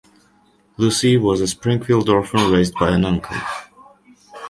Lucy was a Springfield orphan raised by an uncle.